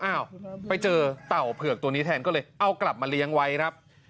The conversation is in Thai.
อ้าวไปเจอเต่าเผือกตัวนี้แทนก็เลยเอากลับมาเลี้ยงไว้ครับ